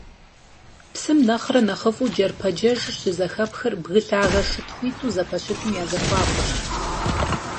Псым нэхърэ нэхъыфIу джэрпэджэжыр щызэхэпхыр бгы лъагэ шытхитIу зэпэщытым я зэхуакурщ.